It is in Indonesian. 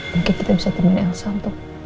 mungkin kita bisa temuin elsa untuk